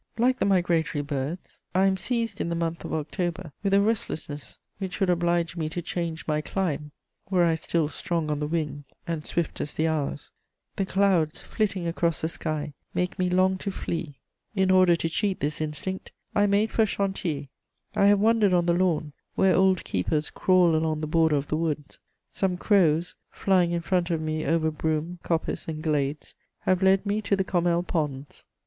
Like the migratory birds, I am seized in the month of October with a restlessness which would oblige me to change my clime, were I still strong on the wing and swift as the hours: the clouds flitting across the sky make me long to flee. In order to cheat this instinct, I made for Chantilly. I have wandered on the lawn, where old keepers crawl along the border of the woods. Some crows, flying in front of me over broom, coppice and glades, have led me to the Commelle Ponds.